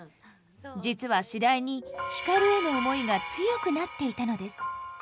実は次第に光への思いが強くなっていたのです。